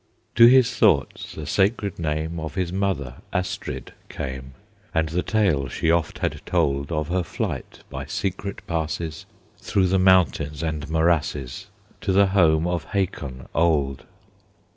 To his thoughts the sacred name Of his mother Astrid came, And the tale she oft had told Of her flight by secret passes Through the mountains and morasses, To the home of Hakon old.